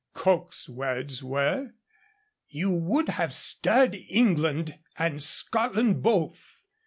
Coke's words were: You would have stirred England and Scotland both.